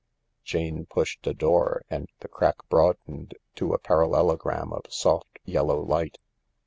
Jane pushed a door and the crack broadened to a parallelogram of soft yellow light.